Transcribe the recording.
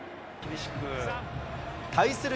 対する